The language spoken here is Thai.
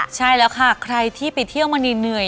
ใช่แล้วค่ะใครที่ไปเที่ยวมาเหนื่อย